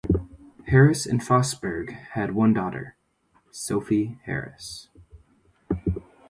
Harris and Fosburgh had one daughter, Sophie Harris.